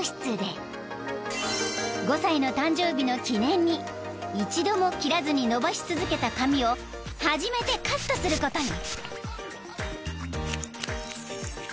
［５歳の誕生日の記念に一度も切らずに伸ばし続けた髪を初めてカットすることに］